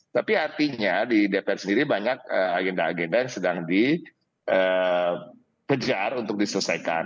tapi artinya di dpr sendiri banyak agenda agenda yang sedang dikejar untuk diselesaikan